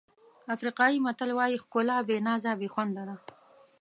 افریقایي متل وایي ښکلا بې نازه بې خونده ده.